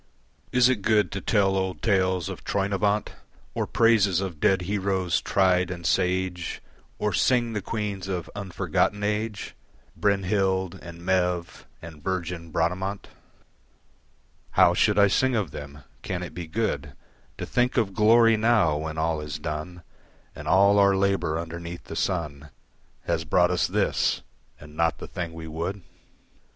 Is it good to tell old tales of Troynovant Or praises of dead heroes, tried and sage, Or sing the queens of unforgotten age, Brynhild and Maeve and virgin Bradamant? How should I sing of them? Can it be good To think of glory now, when all is done, And all our labour underneath the sun Has brought us this and not the thing we would?